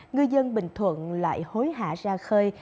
người dân bình thuận lại hối hạ ra khơi